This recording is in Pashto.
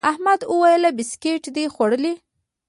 احمد وويل: بيسکیټ دي خوړلي؟